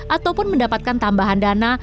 ataupun mendapatkan tambahan dana